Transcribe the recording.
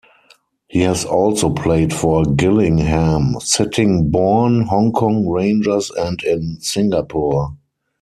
He has also played for Gillingham, Sittingbourne, Hong Kong Rangers and in Singapore.